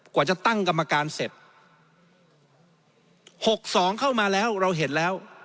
กว่าจะตั้งกรรมการเสร็จ๖๒เข้ามาแล้วเราเห็นแล้ว